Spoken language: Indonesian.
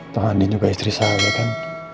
tengah adin juga istri saya kan